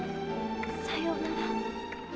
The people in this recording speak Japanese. さようなら。